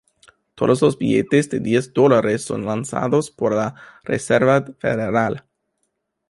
Todos los billetes de diez dólares son lanzados por la Reserva Federal.